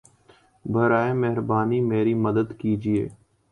براہِ مہربانی میری مدد کیجیے